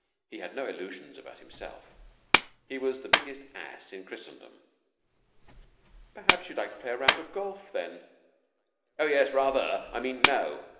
He had no illusions about himself. He was the biggest ass in Christendom. "Perhaps you'd like to play a round of golf, then?" "Oh, yes, rather! I mean, no."